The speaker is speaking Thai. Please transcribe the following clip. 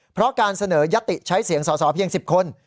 เพราะการเสนอยติใช้เสียงสอสอเพียง๑๐คน